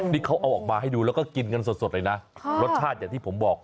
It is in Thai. นี่เขาเอาออกมาให้ดูแล้วก็กินกันสดเลยนะรสชาติอย่างที่ผมบอก